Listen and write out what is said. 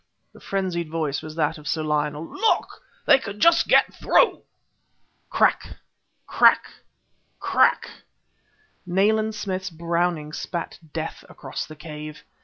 the frenzied voice was that of Sir Lionel "Look! they can just get through! ..." Crack! Crack! Crack! Nayland Smith's Browning spat death across the cave.